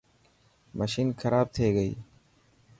مشين کراب ٿي گئي.